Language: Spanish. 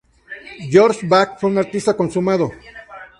George Back fue un artista consumado.